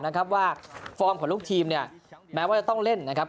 นะครับว่าฟอร์มของลูกทีมเนี่ยแม้ว่าจะต้องเล่นนะครับ